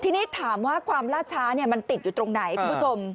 ทีนี้ถามว่าความล่าช้ามันติดอยู่ตรงไหนคุณผู้ชม